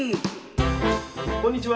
こんにちは。